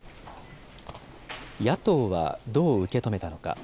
野党はどう受け止めたのか。